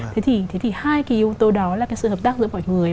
thế thì hai cái yếu tố đó là cái sự hợp tác giữa mọi người